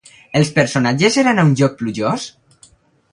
Els personatges eren a un lloc plujós?